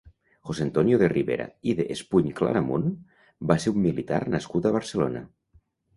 José Antonio de Ribera i de Espuny-Claramunt va ser un militar nascut a Barcelona.